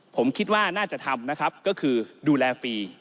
ผมคิดว่าน่าจะทำนะครับก็คือดูแลฟรี